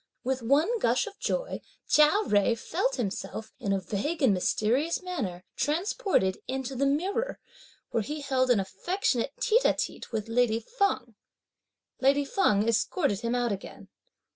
With one gush of joy, Chia Jui felt himself, in a vague and mysterious manner, transported into the mirror, where he held an affectionate tête à tête with lady Feng. Lady Feng escorted him out again.